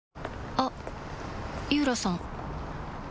あっ井浦さん